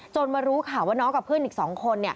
มารู้ข่าวว่าน้องกับเพื่อนอีก๒คน